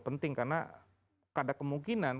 penting karena ada kemungkinan